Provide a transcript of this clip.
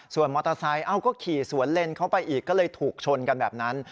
ส่วนมอเตอร์ไซค์เอ้าก็ขี่สวนเล่นเข้าไปอีกก็เลยถูกชนกันแบบนั้น